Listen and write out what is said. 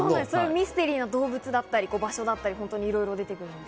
ミステリーな動物だったり場所だったりいろいろ出てくるんです。